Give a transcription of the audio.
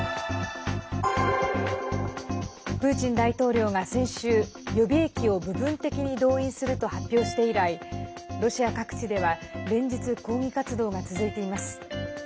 プーチン大統領が先週予備役を部分的に動員すると発表して以来ロシア各地では連日、抗議活動が続いています。